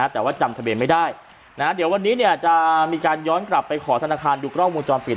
แต่ว่าจำทะเบียนไม่ได้เดี๋ยววันนี้จะมีการย้อนกลับไปขอธนาคารดูกล้องวงจรปิด